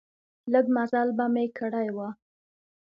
لږ مزل به مې کړی و.